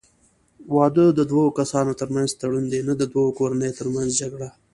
واده د دوه کسانو ترمنځ تړون دی، نه د دوو کورنیو ترمنځ جګړه.